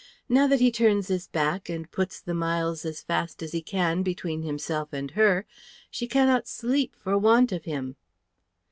Now that he turns his back and puts the miles as fast as he can between himself and her, she cannot sleep for want of him."